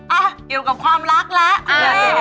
อ่ะเกี่ยวกับความรักแล้ว